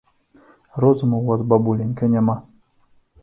Розуму ў вас, бабуленька, няма.